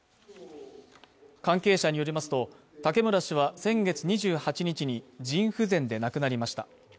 関係者によりますと武村氏は先月２８日に腎不全で亡くなりました。